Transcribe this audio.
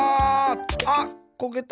あっこけた。